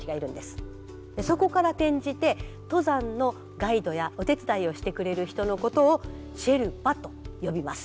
そこから転じて登山のガイドやお手伝いをしてくれる人のことをシェルパと呼びます。